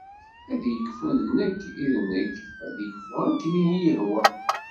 Ad ikfu d nekk i d nekk, ad ikfu akken i iyi-ihwa.